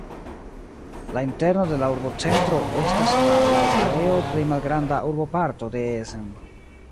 La interno de la urbocentro estas la laŭ areo plej malgranda urboparto de Essen.